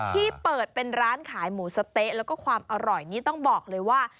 ที่เปิดเป็นร้านขายหมูสะเต๊ะแล้วก็ความอร่อยนี่ต้องบอกเลยว่า